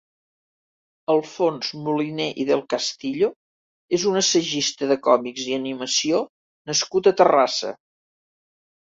Alfons Moliné i del Castillo és un assagista de còmics i animació nascut a Terrassa.